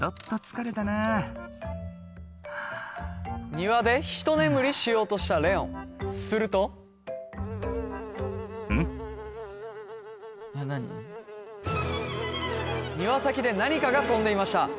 庭でひと眠りしようとしたレオンすると庭先で何かが飛んでいました